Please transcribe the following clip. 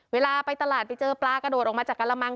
เวลาไปตลาดไปเจอปลากระโดดออกมาจากกระมัง